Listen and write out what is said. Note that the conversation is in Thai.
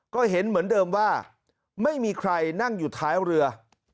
ก็เห็นเหมือนเดิมว่าไม่มีใครนั่งอยู่ท้ายเรือ